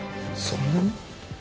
そんなに？